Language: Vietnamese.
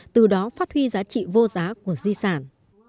từ đó phát huy giá trị vô giá của di sản